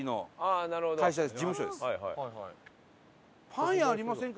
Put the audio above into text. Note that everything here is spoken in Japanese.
「パン屋ありませんか？」